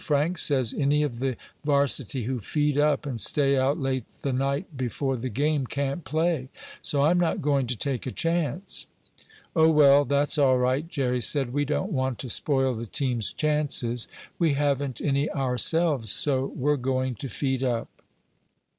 "Frank says any of the varsity who feed up and stay out late the night before the game can't play. So I'm not going to take a chance." "Oh, well, that's all right," Jerry said. "We don't want to spoil the team's chances. We haven't any ourselves, so we're going to feed up."